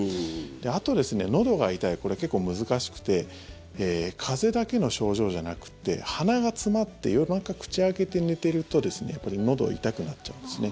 あと、のどが痛いこれ、結構難しくて風邪だけの症状じゃなくて鼻が詰まって夜中、口開けて寝てるとやっぱりのどが痛くなっちゃうんですね。